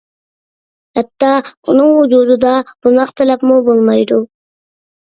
ھەتتا ئۇنىڭ ۋۇجۇدىدا بۇنداق تەلەپمۇ بولمايدۇ.